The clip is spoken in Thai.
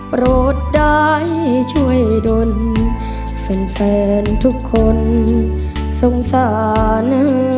กราบหลวงพ่อแก้วที่โหมื่องชน